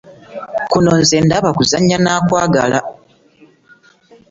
Kuno nze ndaba kuzannya n'akwagala.